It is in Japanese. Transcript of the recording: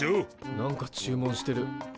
なんか注文してる。